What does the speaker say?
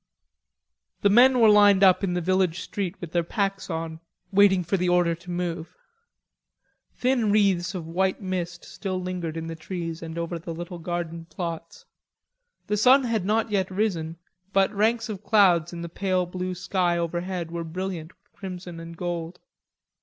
The men were lined up in the village street with their packs on, waiting for the order to move. Thin wreaths of white mist still lingered in the trees and over the little garden plots. The sun had not yet risen, but ranks of clouds in the pale blue sky overhead were brilliant with crimson and gold.